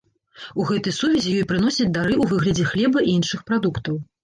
У гэтай сувязі ёй прыносяць дары ў выглядзе хлеба і іншых прадуктаў.